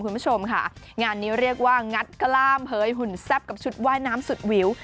คุณผู้ชมค่ะงานนี้เรียกว่างัดกล้ามเผยหุ่นแซ่บกับชุดว่ายน้ำสุดวิว